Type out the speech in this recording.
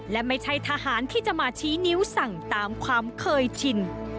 และไม่ใช่ทหารที่จะมาชี้นิ้วสั่งตามความเคยชิน